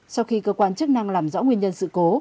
sau khi cơ quan chức năng làm rõ nguyên nhân sự cố